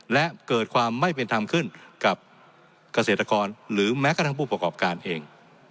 และเกิดความไม่เป็นธรรมขึ้นกับเกษตรกรหรือแม้กระทั่งผู้ประกอบการเอง